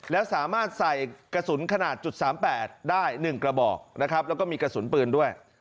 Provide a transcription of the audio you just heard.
แล้วสามารถใส่กระสุนขนาด๓๘ได้๑กระบอกนะครับแล้วก็มีกระสุนปืนด้วย